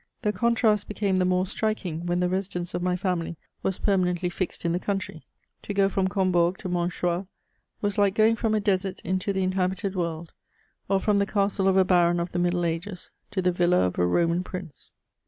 The contrast hecame the more striking, when the residence of my family was permanently fixed in the country. To go from Combourg to M onchoix, was like going from a desert into the inhabited world, or from the castle of a Baron of the Middle Ages, to the villa of a Roman prince.